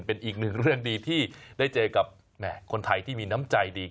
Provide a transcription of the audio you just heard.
เป็นอีกหนึ่งเรื่องดีที่ได้เจอกับคนไทยที่มีน้ำใจดี